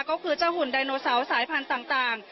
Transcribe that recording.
ก็คือเจ้าหุ่นไดโนเสาร์สายพันธุ์ต่าง